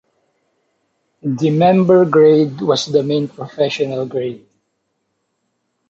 The Member grade was the main professional grade.